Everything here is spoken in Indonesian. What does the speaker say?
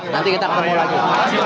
nanti kita ketemu lagi